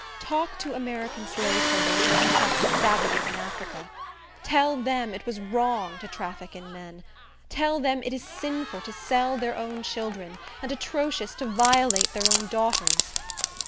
Talk to American slaveholders as you talk to savages in Africa. Tell them it was wrong to traffic in men. Tell them it is sinful to sell their own children, and atrocious to violate their own daughters.